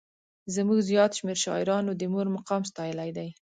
زموږ زیات شمېر شاعرانو د مور مقام ستایلی دی.